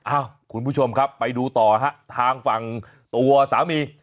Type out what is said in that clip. อ้าวคุณผู้ชมครับไปดูต่อฮะทางฝั่งตัวสามี